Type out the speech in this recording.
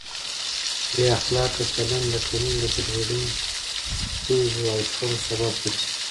بې اخلاقه چلند د ټولنې د ګډوډۍ، ستونزو او شخړو سبب ګرځي.